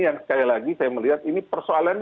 yang sekali lagi saya melihat ini persoalan